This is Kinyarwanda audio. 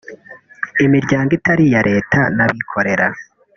imiryango itari iya leta n’abikorera